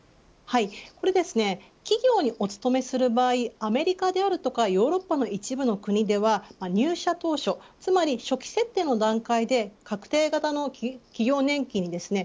これは、企業にお勤めする場合アメリカであるとかヨーロッパの一部の国では入社当初つまり初期設定の段階で確定型の企業年金ですね。